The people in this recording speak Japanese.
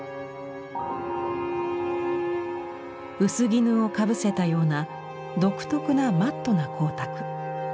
薄絹をかぶせたような独特なマットな光沢。